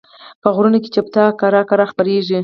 په غرونو کې چوپتیا ورو ورو خپرېږي.